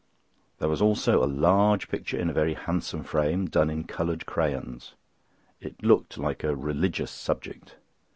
There was also a large picture in a very handsome frame, done in coloured crayons. It looked like a religious subject.